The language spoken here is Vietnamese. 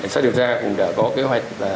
sở điều tra cũng đã có kế hoạch